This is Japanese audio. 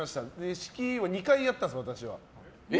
式を２回やったんです、私は。